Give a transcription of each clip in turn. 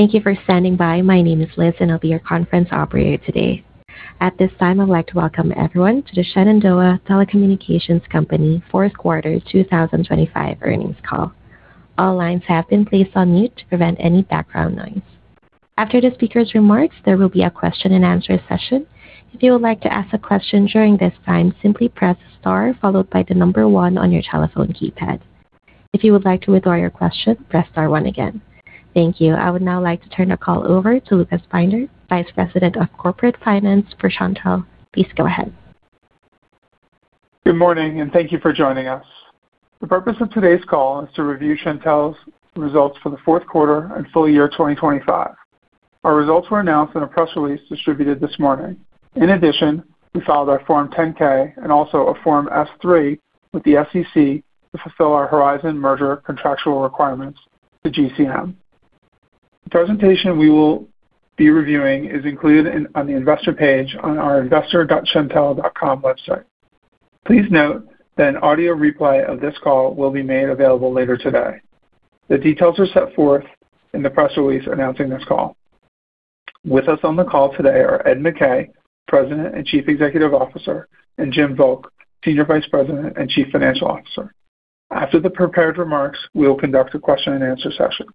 Thank you for standing by. My name is Liz, and I'll be your conference operator today. At this time, I'd like to welcome everyone to the Shenandoah Telecommunications Company fourth quarter 2025 earnings call. All lines have been placed on mute to prevent any background noise. After the speaker's remarks, there will be a question and answer session. If you would like to ask a question during this time, simply press star followed by one on your telephone keypad. If you would like to withdraw your question, press star one again. Thank you. I would now like to turn the call over to Lucas Binder, Vice President of Corporate Finance for Shentel. Please go ahead. Good morning, and thank you for joining us. The purpose of today's call is to review Shentel's results for the fourth quarter and full year 2025. Our results were announced in a press release distributed this morning. In addition, we filed our Form 10-K and also a Form S-3 with the SEC to fulfill our Horizon merger contractual requirements to GCM. The presentation we will be reviewing is included on the investor page on our investor.shentel.com website. Please note that an audio replay of this call will be made available later today. The details are set forth in the press release announcing this call. With us on the call today are Ed McKay, President and Chief Executive Officer, and Jim Volk, Senior Vice President and Chief Financial Officer. After the prepared remarks, we will conduct a question and answer session.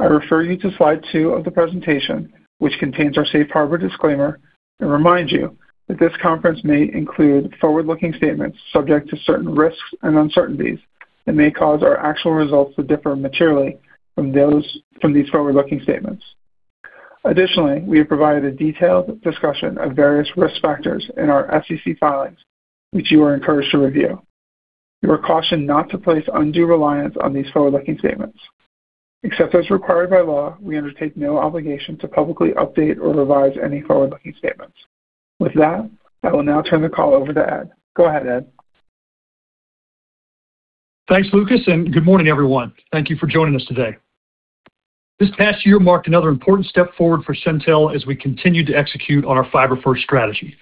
I refer you to slide two of the presentation, which contains our safe harbor disclaimer, and remind you that this conference may include forward-looking statements subject to certain risks and uncertainties that may cause our actual results to differ materially from these forward-looking statements. Additionally, we have provided a detailed discussion of various risk factors in our SEC filings, which you are encouraged to review. You are cautioned not to place undue reliance on these forward-looking statements. Except as required by law, we undertake no obligation to publicly update or revise any forward-looking statements. With that, I will now turn the call over to Ed. Go ahead, Ed. Thanks, Lucas. Good morning, everyone. Thank you for joining us today. This past year marked another important step forward for Shentel as we continued to execute on our fiber-first strategy.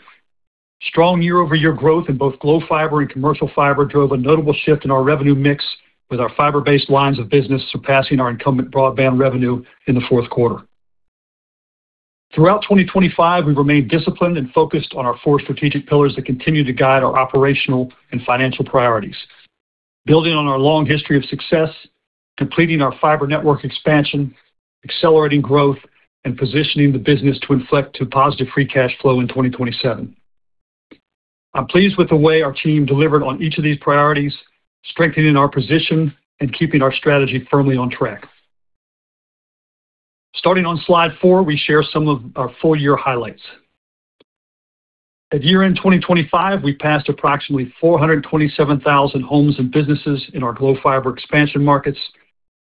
Strong year-over-year growth in both Glo Fiber and commercial fiber drove a notable shift in our revenue mix, with our fiber-based lines of business surpassing our incumbent broadband revenue in the fourth quarter. Throughout 2025, we remained disciplined and focused on our four strategic pillars that continue to guide our operational and financial priorities: building on our long history of success, completing our fiber network expansion, accelerating growth, and positioning the business to inflect to positive free cash flow in 2027. I'm pleased with the way our team delivered on each of these priorities, strengthening our position and keeping our strategy firmly on track. Starting on slide four, we share some of our full year highlights. At year-end 2025, we passed approximately 427,000 homes and businesses in our Glo Fiber expansion markets,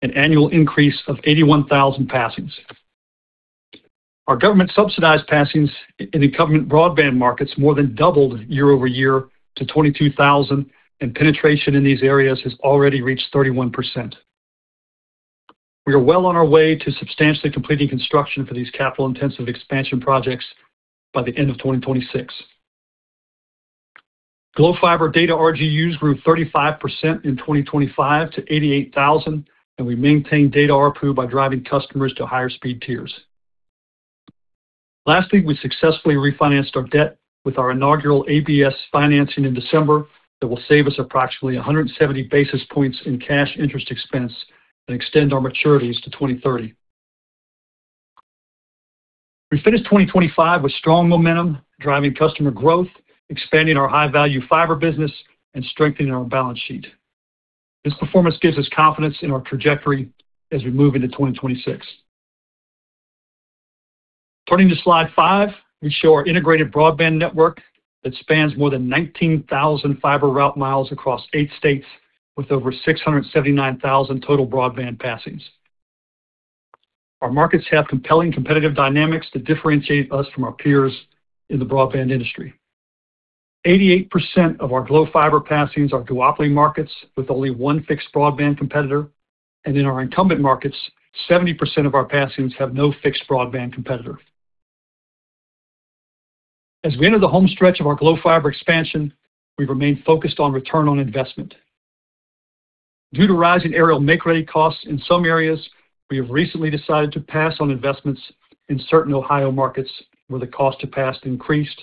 an annual increase of 81,000 passings. Our government-subsidized passings in incumbent broadband markets more than doubled year-over-year to 22,000, and penetration in these areas has already reached 31%. We are well on our way to substantially completing construction for these capital-intensive expansion projects by the end of 2026. Glo Fiber data RGUs grew 35% in 2025 to 88,000, and we maintained data ARPU by driving customers to higher speed tiers. We successfully refinanced our debt with our inaugural ABS financing in December that will save us approximately 170 basis points in cash interest expense and extend our maturities to 2030. We finished 2025 with strong momentum, driving customer growth, expanding our high-value fiber business, and strengthening our balance sheet. This performance gives us confidence in our trajectory as we move into 2026. Turning to slide five, we show our integrated broadband network that spans more than 19,000 fiber route miles across eight states, with over 679,000 total broadband passings. Our markets have compelling competitive dynamics that differentiate us from our peers in the broadband industry. 88% of our Glo Fiber passings are duopoly markets, with only one fixed broadband competitor, and in our incumbent markets, 70% of our passings have no fixed broadband competitor. As we enter the home stretch of our Glo Fiber expansion, we've remained focused on return on investment. Due to rising aerial make-ready costs in some areas, we have recently decided to pass on investments in certain Ohio markets where the cost to pass increased,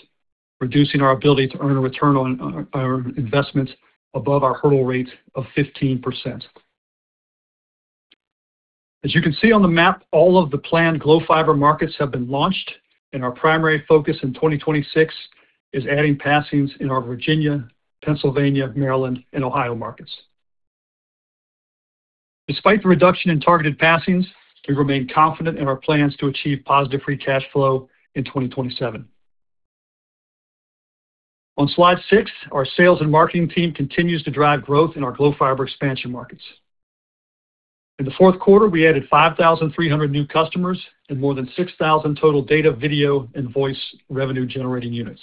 reducing our ability to earn a return on our investments above our hurdle rate of 15%. As you can see on the map, all of the planned Glo Fiber markets have been launched. Our primary focus in 2026 is adding passings in our Virginia, Pennsylvania, Maryland, and Ohio markets. Despite the reduction in targeted passings, we remain confident in our plans to achieve positive free cash flow in 2027. On slide six, our sales and marketing team continues to drive growth in our Glo Fiber expansion markets. In the fourth quarter, we added 5,300 new customers and more than 6,000 total data, video, and voice revenue generating units.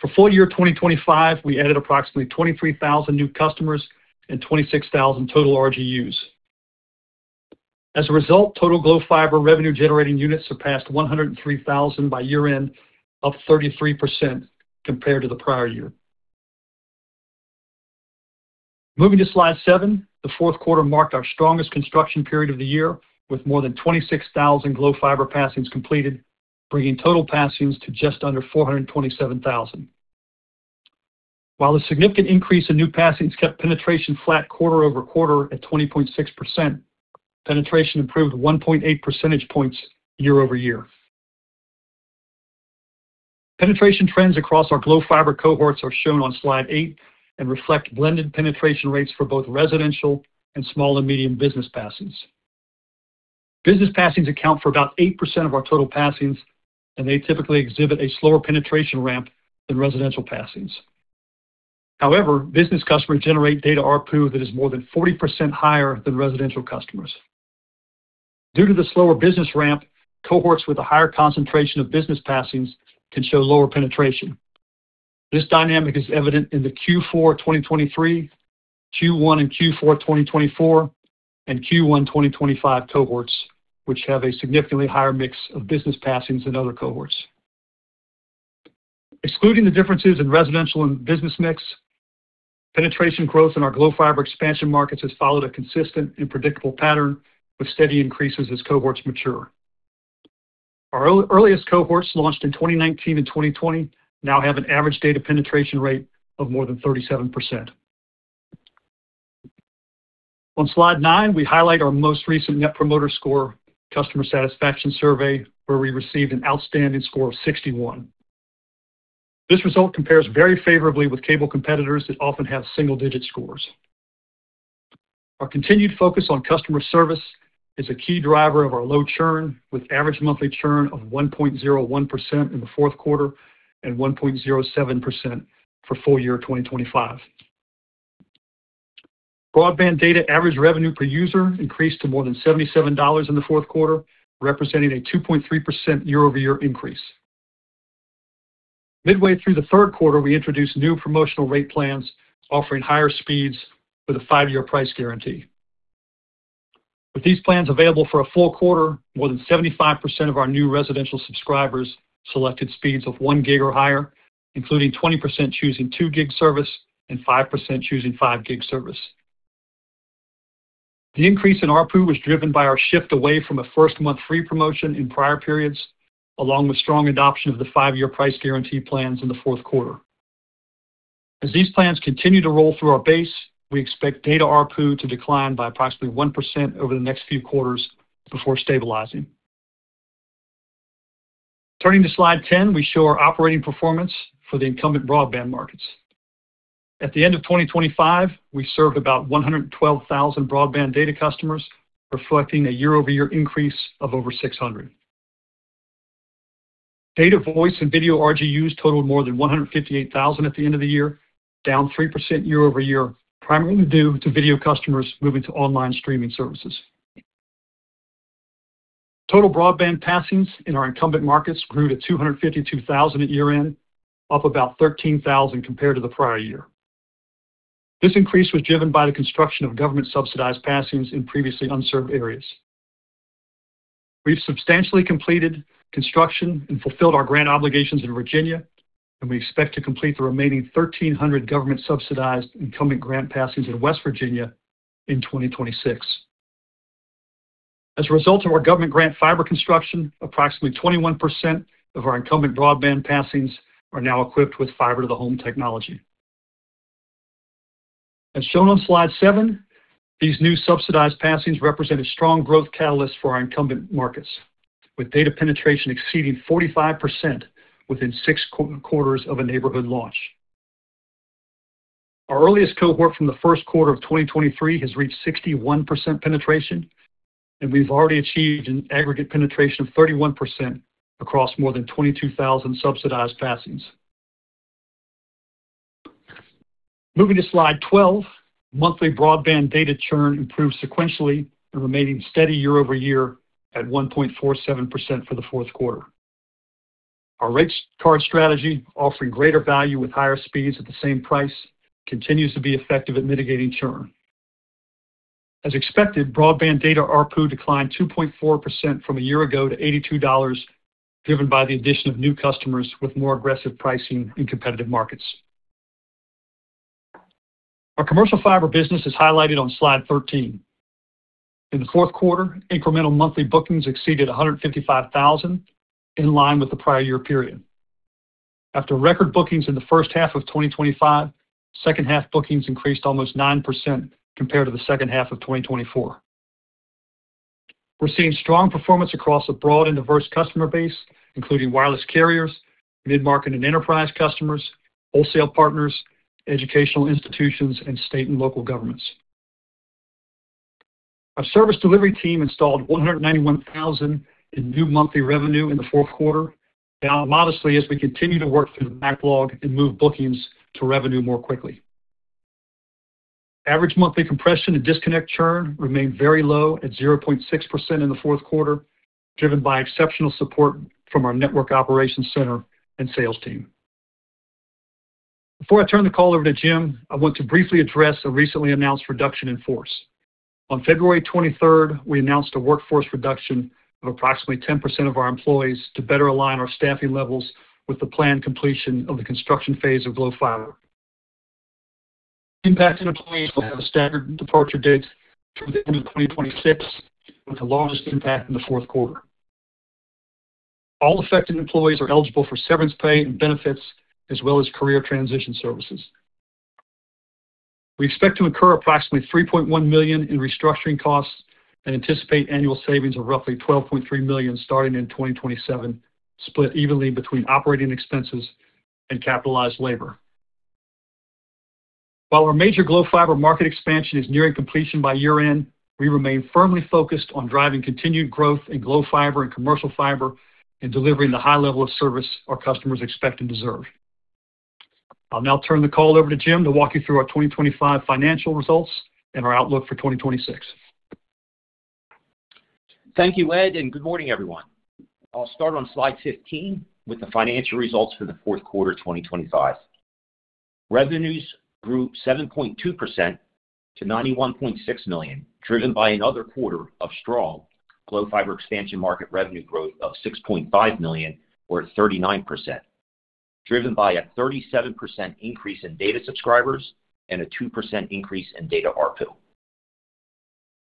For full year 2025, we added approximately 23,000 new customers and 26,000 total RGUs. Total Glo Fiber revenue generating units surpassed 103,000 by year-end, up 33% compared to the prior year. Moving to slide seven, the fourth quarter marked our strongest construction period of the year, with more than 26,000 Glo Fiber passings completed, bringing total passings to just under 427,000. A significant increase in new passings kept penetration flat quarter-over-quarter at 20.6%, penetration improved 1.8 percentage points year-over-year. Penetration trends across our Glo Fiber cohorts are shown on slide eight and reflect blended penetration rates for both residential and small and medium business passings. Business passings account for about 8% of our total passings, and they typically exhibit a slower penetration ramp than residential passings. However, business customers generate data ARPU that is more than 40% higher than residential customers. Due to the slower business ramp, cohorts with a higher concentration of business passings can show lower penetration. This dynamic is evident in the Q4 2023, Q1 and Q4 2024, and Q1 2025 cohorts, which have a significantly higher mix of business passings than other cohorts. Excluding the differences in residential and business mix, penetration growth in our Glo Fiber expansion markets has followed a consistent and predictable pattern, with steady increases as cohorts mature. Our earliest cohorts, launched in 2019 and 2020, now have an average data penetration rate of more than 37%. On slide nine, we highlight our most recent Net Promoter Score customer satisfaction survey, where we received an outstanding score of 61. This result compares very favorably with cable competitors that often have single-digit scores. Our continued focus on customer service is a key driver of our low churn, with average monthly churn of 1.01% in the fourth quarter and 1.07% for full year 2025. Broadband data average revenue per user increased to more than $77 in the fourth quarter, representing a 2.3% year-over-year increase. Midway through the third quarter, we introduced new promotional rate plans, offering higher speeds with a 5-year price guarantee. With these plans available for a full quarter, more than 75% of our new residential subscribers selected speeds of 1 gig or higher, including 20% choosing 2 gig service and 5% choosing 5 gig service. The increase in ARPU was driven by our shift away from a first month free promotion in prior periods, along with strong adoption of the 5-year price guarantee plans in the fourth quarter. As these plans continue to roll through our base, we expect data ARPU to decline by approximately 1% over the next few quarters before stabilizing. Turning to slide 10, we show our operating performance for the incumbent broadband markets. At the end of 2025, we served about 112,000 broadband data customers, reflecting a year-over-year increase of over 600. Data, voice, and video RGUs totaled more than 158,000 at the end of the year, down 3% year-over-year, primarily due to video customers moving to online streaming services. Total broadband passings in our incumbent markets grew to 252,000 at year-end, up about 13,000 compared to the prior year. This increase was driven by the construction of government-subsidized passings in previously unserved areas. We've substantially completed construction and fulfilled our grant obligations in Virginia, and we expect to complete the remaining 1,300 government-subsidized incumbent grant passings in West Virginia in 2026. As a result of our government grant fiber construction, approximately 21% of our incumbent broadband passings are now equipped with fiber to the home technology. As shown on slide seven, these new subsidized passings represent a strong growth catalyst for our incumbent markets, with data penetration exceeding 45% within six quarters of a neighborhood launch. Our earliest cohort from the first quarter of 2023 has reached 61% penetration, and we've already achieved an aggregate penetration of 31% across more than 22,000 subsidized passings. Moving to slide 12, monthly broadband data churn improved sequentially and remaining steady year-over-year at 1.47% for the fourth quarter. Our rates card strategy, offering greater value with higher speeds at the same price, continues to be effective at mitigating churn. As expected, broadband data ARPU declined 2.4% from a year ago to $82, driven by the addition of new customers with more aggressive pricing in competitive markets. Our commercial fiber business is highlighted on slide 13. In the fourth quarter, incremental monthly bookings exceeded $155,000, in line with the prior year period. After record bookings in the first half of 2025, second half bookings increased almost 9% compared to the second half of 2024. We're seeing strong performance across a broad and diverse customer base, including wireless carriers, mid-market and enterprise customers, wholesale partners, educational institutions, and state and local governments. Our service delivery team installed $191,000 in new monthly revenue in the fourth quarter, down modestly as we continue to work through the backlog and move bookings to revenue more quickly. Average monthly compression and disconnect churn remained very low at 0.6% in the fourth quarter, driven by exceptional support from our network operations center and sales team. Before I turn the call over to Jim, I want to briefly address the recently announced reduction in force. On February 23rd, we announced a workforce reduction of approximately 10% of our employees to better align our staffing levels with the planned completion of the construction phase of Glo Fiber. Impacted employees will have a staggered departure date through the end of 2026, with the largest impact in the fourth quarter. All affected employees are eligible for severance pay and benefits, as well as career transition services. We expect to incur approximately $3.1 million in restructuring costs and anticipate annual savings of roughly $12.3 million, starting in 2027, split evenly between operating expenses and capitalized labor. While our major Glo Fiber market expansion is nearing completion by year-end, we remain firmly focused on driving continued growth in Glo Fiber and commercial fiber, and delivering the high level of service our customers expect and deserve. I'll now turn the call over to Jim to walk you through our 2025 financial results and our outlook for 2026. Thank you, Ed, and good morning, everyone. I'll start on slide 15 with the financial results for the fourth quarter 2025. Revenues grew 7.2% to $91.6 million, driven by another quarter of strong Glo Fiber expansion market revenue growth of $6.5 million, or 39%, driven by a 37% increase in data subscribers and a 2% increase in data ARPU.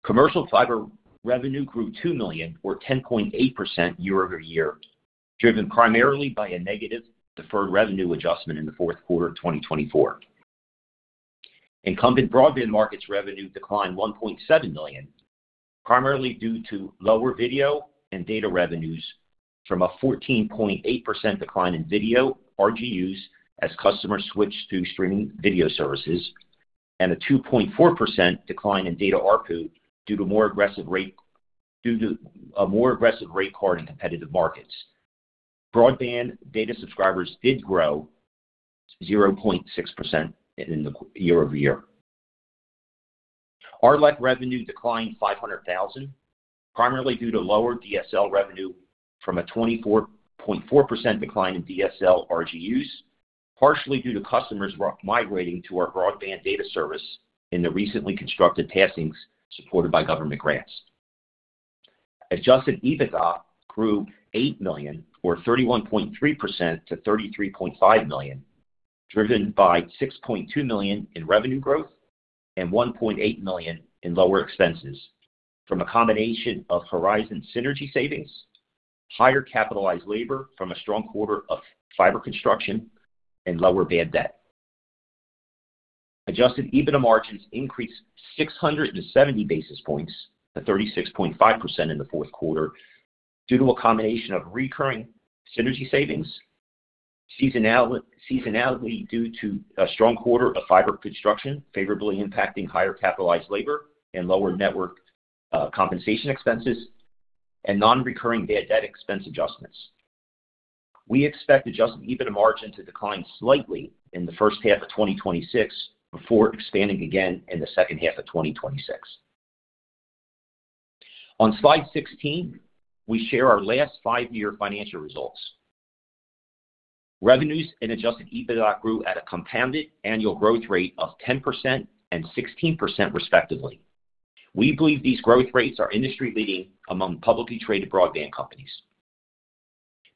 Commercial fiber revenue grew $2 million or 10.8% year-over-year, driven primarily by a negative deferred revenue adjustment in the fourth quarter of 2024. Incumbent broadband markets revenue declined $1.7 million, primarily due to lower video and data revenues from a 14.8% decline in video RGUs as customers switched to streaming video services, and a 2.4% decline in data ARPU due to a more aggressive rate card in competitive markets. Broadband data subscribers did grow 0.6% year-over-year. RLEC revenue declined $500,000, primarily due to lower DSL revenue from a 24.4% decline in DSL RGUs, partially due to customers migrating to our broadband data service in the recently constructed passings supported by government grants. Adjusted EBITDA grew $8 million, or 31.3% to $33.5 million, driven by $6.2 million in revenue growth and $1.8 million in lower expenses from a combination of Horizon synergy savings, higher capitalized labor from a strong quarter of fiber construction, and lower bad debt. Adjusted EBITDA margins increased 670 basis points to 36.5% in the fourth quarter, due to a combination of recurring synergy savings, seasonality due to a strong quarter of fiber construction, favorably impacting higher capitalized labor and lower network compensation expenses and non-recurring bad debt expense adjustments. We expect adjusted EBITDA margin to decline slightly in the first half of 2026, before expanding again in the second half of 2026. On slide 16, we share our last 5-year financial results. Revenues and adjusted EBITDA grew at a compounded annual growth rate of 10% and 16%, respectively. We believe these growth rates are industry-leading among publicly traded broadband companies.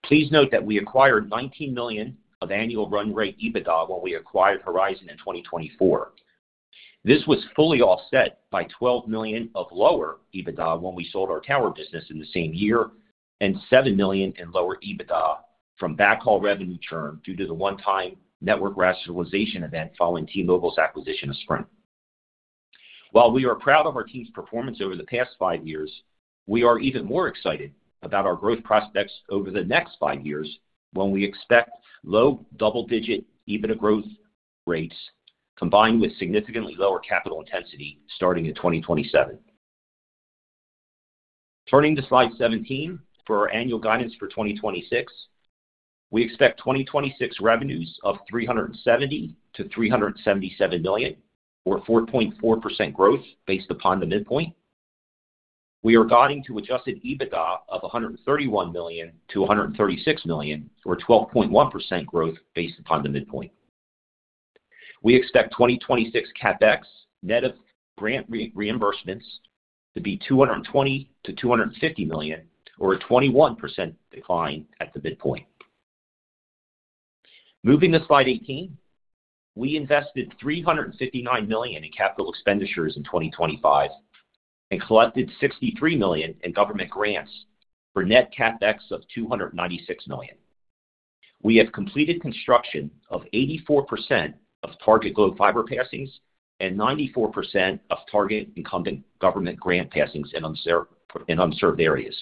Please note that we acquired $19 million of annual run rate EBITDA when we acquired Horizon in 2024. This was fully offset by $12 million of lower EBITDA when we sold our tower business in the same year, and $7 million in lower EBITDA from backhaul revenue churn due to the one-time network rationalization event following T-Mobile's acquisition of Sprint. While we are proud of our team's performance over the past 5 years, we are even more excited about our growth prospects over the next 5 years, when we expect low double-digit EBITDA growth rates, combined with significantly lower capital intensity starting in 2027. Turning to slide 17, for our annual guidance for 2026, we expect 2026 revenues of $370 million-$377 million, or 4.4% growth based upon the midpoint. We are guiding to adjusted EBITDA of $131 million-$136 million, or 12.1% growth based upon the midpoint. We expect 2026 CapEx net of grant reimbursements to be $220 million-$250 million, or a 21% decline at the midpoint. Moving to slide 18. We invested $359 million in capital expenditures in 2025 and collected $63 million in government grants for net CapEx of $296 million. We have completed construction of 84% of target Glo Fiber passings and 94% of target incumbent government grant passings in unserved areas.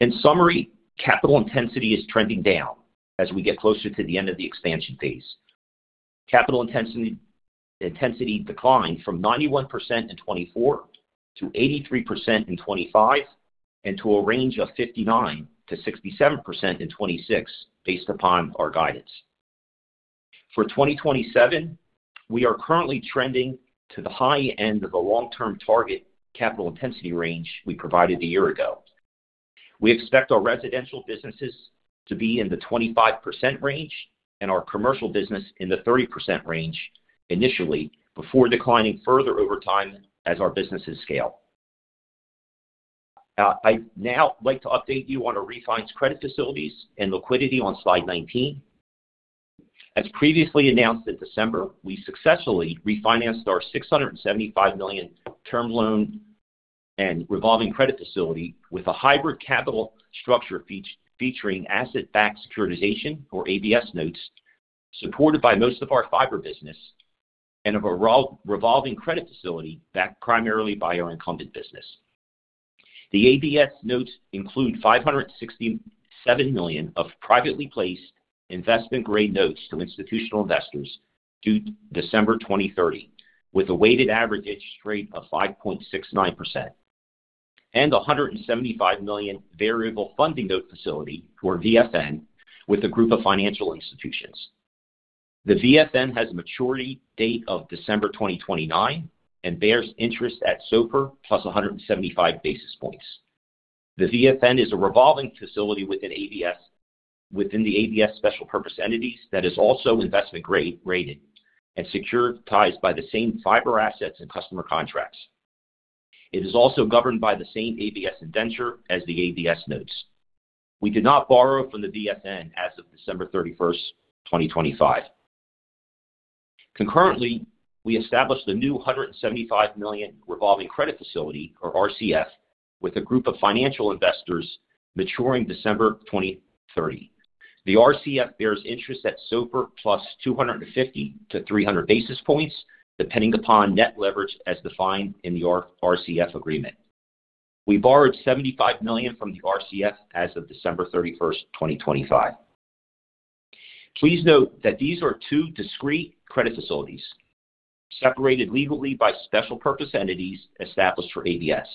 In summary, capital intensity is trending down as we get closer to the end of the expansion phase. Capital intensity declined from 91% in 2024 to 83% in 2025, and to a range of 59%-67% in 2026, based upon our guidance. For 2027, we are currently trending to the high end of the long-term target capital intensity range we provided a year ago. We expect our residential businesses to be in the 25% range and our commercial business in the 30% range initially, before declining further over time as our businesses scale. I'd now like to update you on our refines credit facilities and liquidity on slide 19. As previously announced in December, we successfully refinanced our $675 million term loan and revolving credit facility with a hybrid capital structure featuring asset-backed securitization, or ABS notes, supported by most of our fiber business and a revolving credit facility backed primarily by our incumbent business. The ABS notes include $567 million of privately placed investment-grade notes to institutional investors due December 2030, with a weighted average interest rate of 5.69%, and a $175 million variable funding note facility, or VFN, with a group of financial institutions. The VFN has a maturity date of December 2029 and bears interest at SOFR plus 175 basis points. The VFN is a revolving facility within ABS, within the ABS special purpose entities that is also investment grade and securitized by the same fiber assets and customer contracts. It is also governed by the same ABS indenture as the ABS notes. We did not borrow from the VFN as of December 31st, 2025. We established a new $175 million revolving credit facility, or RCF, with a group of financial investors maturing December 2030. The RCF bears interest at SOFR plus 250 to 300 basis points, depending upon net leverage as defined in the RCF agreement. We borrowed $75 million from the RCF as of December 31st, 2025. Please note that these are two discrete credit facilities, separated legally by special purpose entities established for ABS.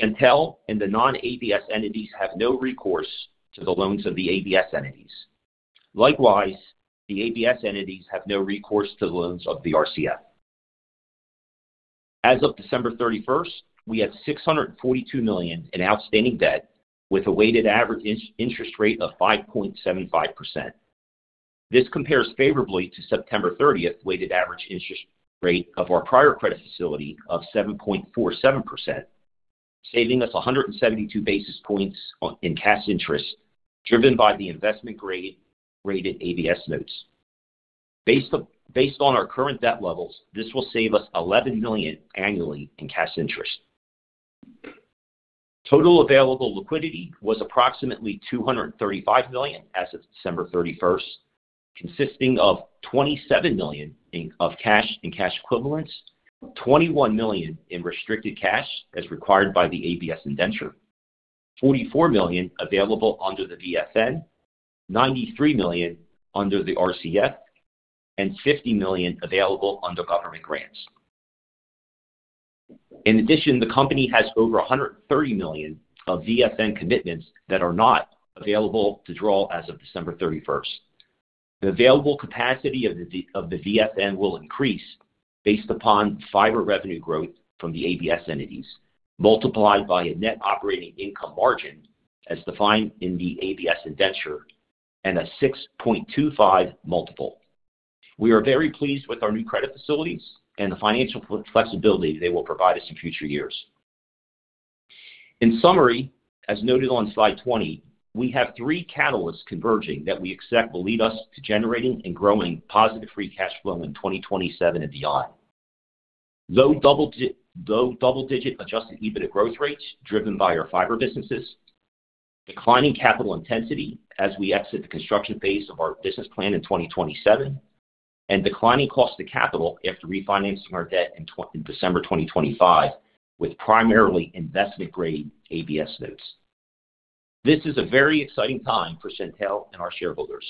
Shentel and the non-ABS entities have no recourse to the loans of the ABS entities. The ABS entities have no recourse to the loans of the RCF. As of December thirty-first, we had $642 million in outstanding debt with a weighted average interest rate of 5.75%. This compares favorably to September thirtieth weighted average interest rate of our prior credit facility of 7.47%, saving us 172 basis points in cash interest, driven by the investment grade ABS notes. Based on our current debt levels, this will save us $11 million annually in cash interest. Total available liquidity was approximately $235 million as of December 31st, consisting of $27 million of cash and cash equivalents, $21 million in restricted cash, as required by the ABS indenture, $44 million available under the VFN, $93 million under the RCF, and $50 million available under government grants. In addition, the company has over $130 million of VFN commitments that are not available to draw as of December 31st. The available capacity of the VFN will increase based upon fiber revenue growth from the ABS entities, multiplied by a net operating income margin as defined in the ABS indenture and a 6.25x multiple. We are very pleased with our new credit facilities and the financial flexibility they will provide us in future years. In summary, as noted on slide 20, we have three catalysts converging that we expect will lead us to generating and growing positive free cash flow in 2027 and beyond. Low double-digit adjusted EBIT growth rates driven by our fiber businesses, declining capital intensity as we exit the construction phase of our business plan in 2027, and declining cost of capital after refinancing our debt in December 2025 with primarily investment-grade ABS notes. This is a very exciting time for Shentel and our shareholders.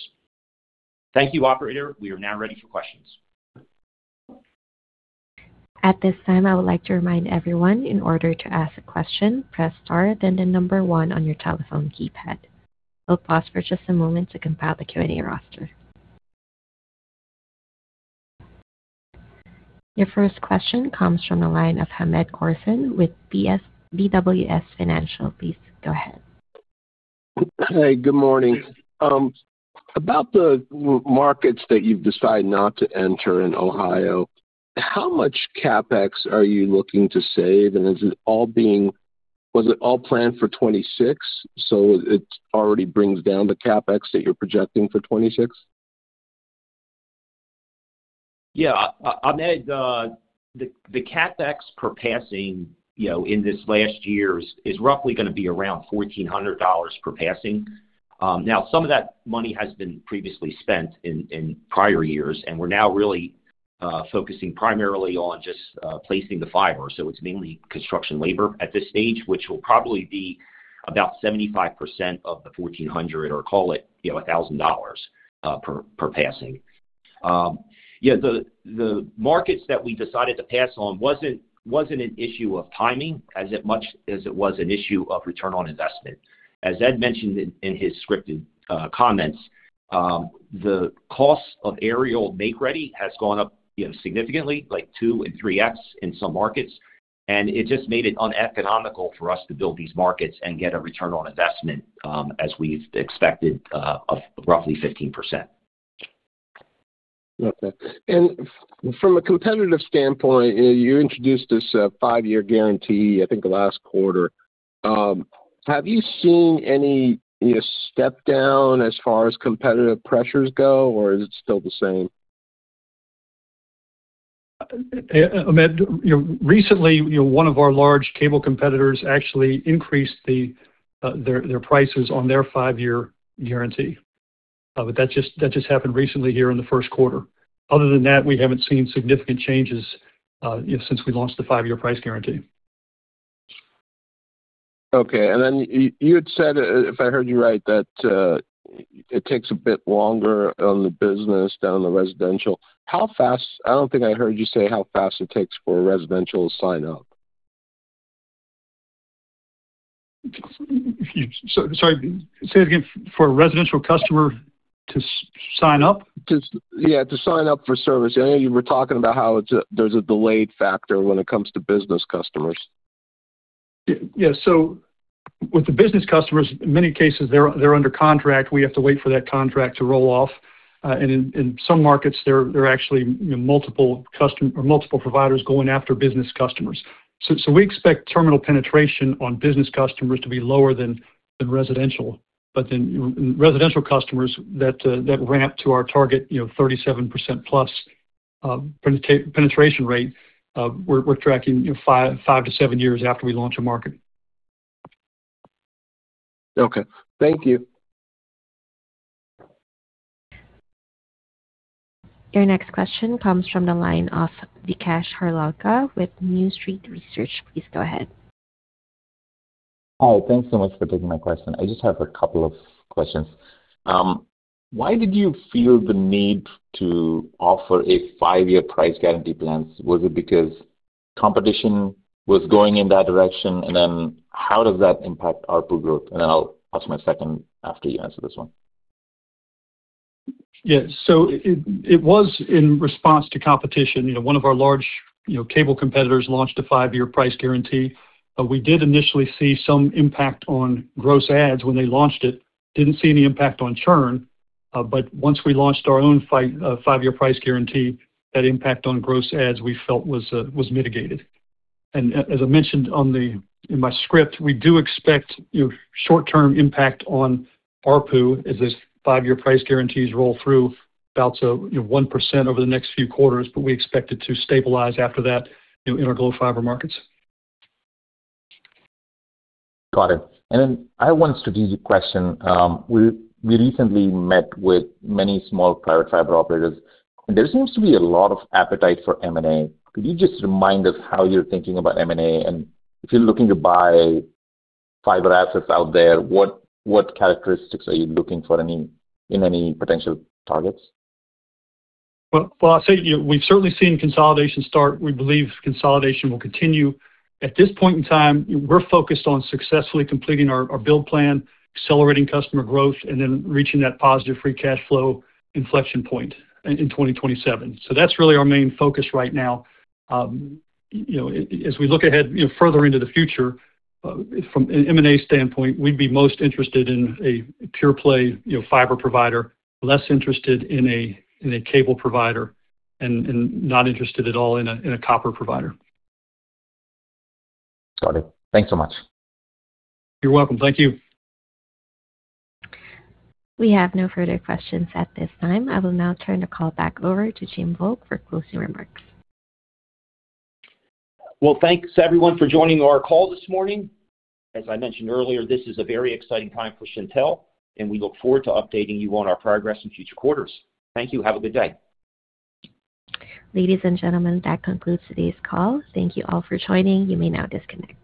Thank you, operator. We are now ready for questions. At this time, I would like to remind everyone, in order to ask a question, press star, then the one on your telephone keypad. We'll pause for just a moment to compile the Q&A roster. Your first question comes from the line of Hamed Khorsand with BWS Financial. Please go ahead. Hey, good morning. About the markets that you've decided not to enter in Ohio, how much CapEx are you looking to save, and was it all planned for 2026, so it already brings down the CapEx that you're projecting for 2026? Yeah, Ahmed, the CapEx per passing, you know, in this last year is roughly gonna be around $1,400 per passing. Some of that money has been previously spent in prior years, and we're now really focusing primarily on just placing the fiber. It's mainly construction labor at this stage, which will probably be about 75% of the $1,400, or call it, you know, $1,000 per passing. Yeah, the markets that we decided to pass on wasn't an issue of timing as it much as it was an issue of return on investment. As Ed mentioned in his scripted comments, the cost of aerial make-ready has gone up, you know, significantly, like 2x and 3x in some markets, and it just made it uneconomical for us to build these markets and get a return on investment, as we've expected, of roughly 15%. Okay. From a competitive standpoint, you introduced this, 5-year guarantee, I think, last quarter. Have you seen any, you know, step down as far as competitive pressures go, or is it still the same? Hamed Khorsand, you know, recently, you know, one of our large cable competitors actually increased their prices on their five-year guarantee. That just happened recently here in the first quarter. Other than that, we haven't seen significant changes, you know, since we launched the five-year price guarantee. Okay. Then you had said, if I heard you right, that, it takes a bit longer on the business than on the residential. I don't think I heard you say how fast it takes for a residential sign up? Sorry, say it again. For a residential customer to sign up? To, yeah, to sign up for service. I know you were talking about how there's a delayed factor when it comes to business customers. Yeah. With the business customers, in many cases, they're under contract. We have to wait for that contract to roll off, and in some markets, there are actually, you know, multiple providers going after business customers. We expect terminal penetration on business customers to be lower than residential. Residential customers that ramp to our target, you know, 37% plus penetration rate, we're tracking, you know, 5 years to 7 years after we launch a market. Okay. Thank you. Your next question comes from the line of Vikash Harlalka with New Street Research. Please go ahead. Hi. Thanks so much for taking my question. I just have a couple of questions. Why did you feel the need to offer a 5-year price guarantee plan? Was it because competition was going in that direction? How does that impact ARPU growth? I'll ask my second after you answer this one. Yes. It was in response to competition. You know, one of our large, you know, cable competitors launched a five-year price guarantee. We did initially see some impact on gross ads when they launched it. Didn't see any impact on churn, but once we launched our own five-year price guarantee, that impact on gross ads, we felt, was mitigated. As I mentioned in my script, we do expect, you know, short-term impact on ARPU as this five-year price guarantees roll through about, you know, 1% over the next few quarters, but we expect it to stabilize after that in our Glo Fiber markets. Got it. I have one strategic question. We recently met with many small private fiber operators. There seems to be a lot of appetite for M&A. Could you just remind us how you're thinking about M&A, and if you're looking to buy fiber assets out there, what characteristics are you looking for any, in any potential targets? Well, I'll say, we've certainly seen consolidation start. We believe consolidation will continue. At this point in time, we're focused on successfully completing our build plan, accelerating customer growth, and then reaching that positive free cash flow inflection point in 2027. That's really our main focus right now. You know, as we look ahead, you know, further into the future, from an M&A standpoint, we'd be most interested in a pure play, you know, fiber provider, less interested in a cable provider, and not interested at all in a copper provider. Got it. Thanks so much. You're welcome. Thank you. We have no further questions at this time. I will now turn the call back over to Jim Volk for closing remarks. Well, thanks, everyone, for joining our call this morning. As I mentioned earlier, this is a very exciting time for Shentel, and we look forward to updating you on our progress in future quarters. Thank you. Have a good day. Ladies and gentlemen, that concludes today's call. Thank you all for joining. You may now disconnect.